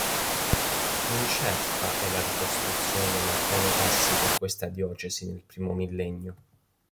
Incerta è la ricostruzione della cronotassi per questa diocesi nel primo millennio.